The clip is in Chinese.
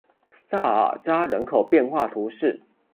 萨尔扎人口变化图示